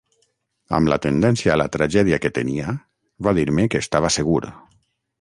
Amb la tendència a la tragèdia que tenia, va dir-me que estava segur.